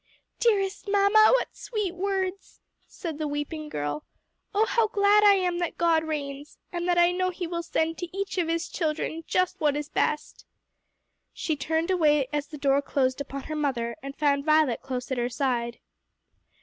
'" "Dearest mamma, what sweet words!" said the weeping girl. "Oh, how glad I am that God reigns! and that I know he will send to each of his children just what is best." She turned away as the door closed upon her mother, and found Violet close at her side.